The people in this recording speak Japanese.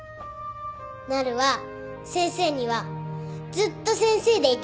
なるは先生にはずっと先生でいてほしい。